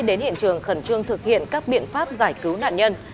đến hiện trường khẩn trương thực hiện các biện pháp giải cứu nạn nhân